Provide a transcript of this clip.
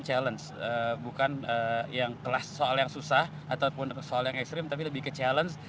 challenge bukan yang kelas soal yang susah ataupun soal yang ekstrim tapi lebih ke challenge